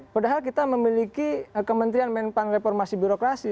padahal kita memiliki kementerian menpan reformasi birokrasi